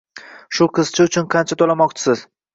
shu qizcha uchun qancha to`lamoqchisiz